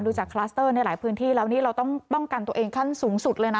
จากคลัสเตอร์ในหลายพื้นที่แล้วนี่เราต้องป้องกันตัวเองขั้นสูงสุดเลยนะ